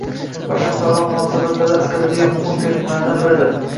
va shaxslararo munosabatlarda asqatadigan muhim ko‘nikmalardan biridir.